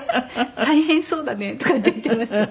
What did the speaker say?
「大変そうだね」とかって言ってました。